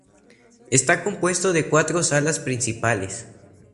Está compuesto de cuatro salas principales.